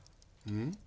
うん？